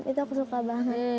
itu aku suka banget